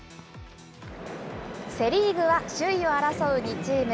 セ・リーグは首位を争う２チーム。